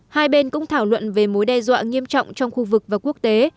hai bên cũng thảo luận về mối đe dọa nghiêm trọng trong khu vực và quốc tế